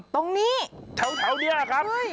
ตรงนี้เท้าเนี่ยครับ